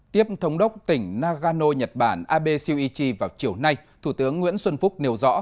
tiếp thống đốc tỉnh nagano nhật bản abe shiuichi vào chiều nay thủ tướng nguyễn xuân phúc nêu rõ